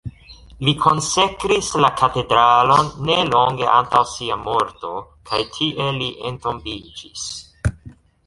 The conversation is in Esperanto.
Li konsekris la katedralon ne longe antaŭ sia morto, kaj tie li entombiĝis.